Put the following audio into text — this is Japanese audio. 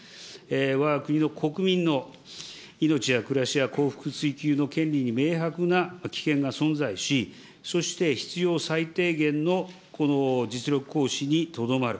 わが国の国民の命や暮らしや幸福追求の権利に明白な危険が存在し、そして必要最低限の実力行使にとどまる。